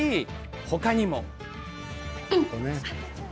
他にも。